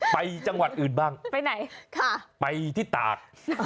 ไปจังหวัดอื่นบ้างไปที่ตากอ๋อ